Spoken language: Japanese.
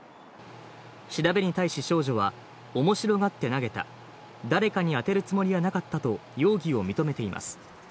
調べに対し少女は、面白がって投げた、誰かに当てるつもりはなかったと容疑を認めています。